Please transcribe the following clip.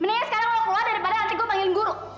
mendingan sekarang lo keluar daripada nanti gue panggilin guru